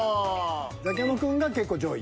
ザキヤマくんが結構上位。